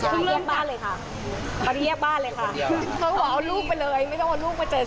พอเรียกบ้านเลยค่ะเขาก็บอกเอาลูกไปเลยไม่ต้องเอาลูกมาเจอ๑๔วัน